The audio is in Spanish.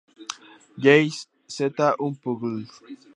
Jay-Z: Unplugged